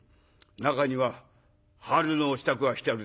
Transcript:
中には春の支度がしてあるで」。